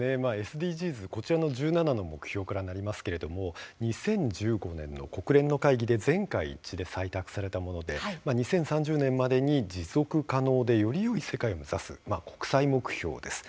ＳＤＧｓ、こちらの１７の目標からなりますけれども２０１５年の国連の会議で全会一致で採択されたもので２０３０年までに持続可能でよりよい世界を目指す国際目標です。